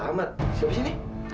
siapa sih ini